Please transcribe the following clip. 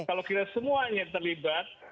kalau kita semuanya terlibat